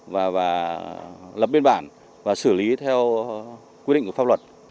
và lập biên bản và xử lý theo quy định của pháp luật